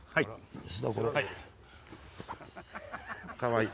かわいい。